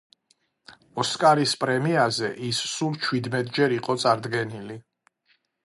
ოსკარის პრემიაზე ის სულ ჩვიდმეტჯერ იყო წარდგენილი.